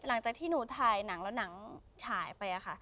หลังจากที่หนูถ่ายหนังแล้วหนังฉายไปค่ะ